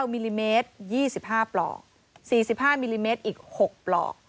มิลลิเมตร๒๕ปลอก๔๕มิลลิเมตรอีก๖ปลอก